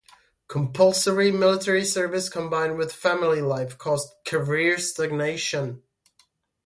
Compulsory military service combined with family life caused career stagnation.